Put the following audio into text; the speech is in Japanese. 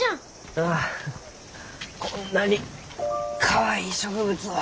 ああこんなにかわいい植物を。